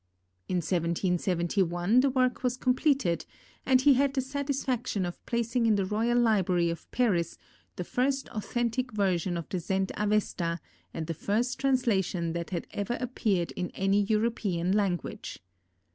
In 1771 the work was completed and he had the satisfaction of placing in the Royal Library of Paris the first authentic version of the Zend Avesta and the first translation that had ever appeared in any European language.